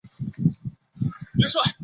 现任校长是彭绮莲。